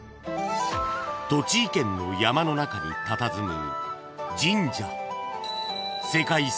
［栃木県の山の中にたたずむ神社］